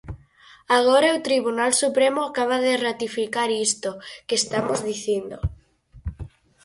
Agora o Tribunal Supremo acaba de ratificar isto que estamos dicindo.